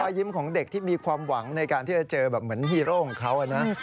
ยิ้มของเด็กที่มีความหวังในการที่จะเจอแบบเหมือนฮีโร่ของเขานะ